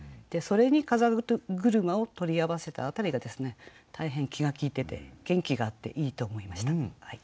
それに「風車」を取り合わせた辺りが大変気が利いてて元気があっていいと思いました。